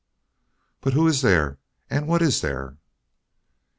"But who is there, and what is there?"